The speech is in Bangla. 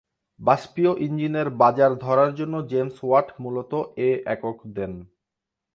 বাষ্পীয় ইঞ্জিনের বাজার ধরার জন্য জেমস ওয়াট মূলত এ একক দেন।